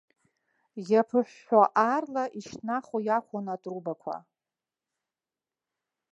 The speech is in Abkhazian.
Иаԥыҳәҳәо, аарла ишьҭнахуа иақәын атрубақәа.